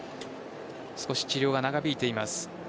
少し治療が長引いています。